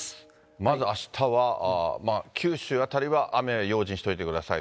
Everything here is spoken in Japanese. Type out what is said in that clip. まずあしたは九州辺りは雨は用心しておいてください。